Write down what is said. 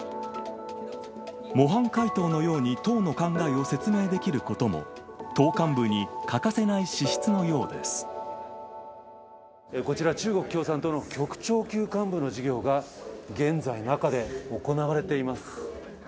模範解答のように党の考えを説明できることも、党幹部に欠かせなこちら、中国共産党の局長級幹部の授業が、現在、中で行われています。